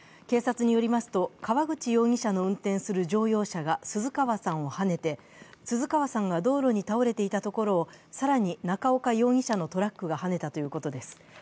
警察によりますと、川口容疑者の運転する乗用車が鈴川さんをはねて、鈴川さんが道路に倒れていたところを更に中岡容疑者のトラックがはねたということです。